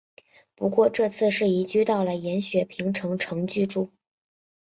不过这次是移居到了延雪平城城居住。